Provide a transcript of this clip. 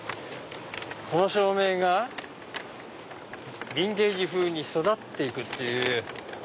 この照明がビンテージ風に育って行くっていう。